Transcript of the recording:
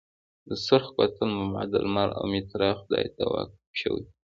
د سورخ کوتل معبد د لمر او میترا خدای ته وقف شوی و